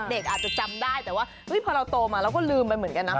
เด็กอาจจะจำได้แต่ว่าพอเราโตมาเราก็ลืมไปเหมือนกันนะ